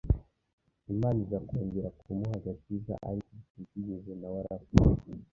Imana iza kongera kumuha agakiza ariko igihe kigeze na we arapfa